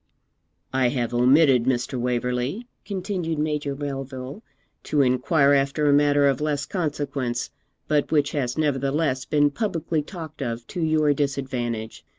'I have omitted, Mr. Waverley,' continued Major Melville, 'to inquire after a matter of less consequence, but which has nevertheless been publicly talked of to your disadvantage.